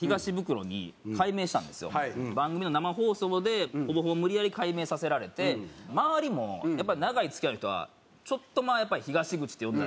番組の生放送でほぼほぼ無理やり改名させられて周りもやっぱり長い付き合いの人はやっぱり「東口」って呼んでたし。